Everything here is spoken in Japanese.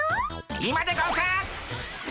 今でゴンス！